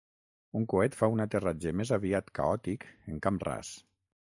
Un coet fa un aterratge més aviat caòtic en camp ras.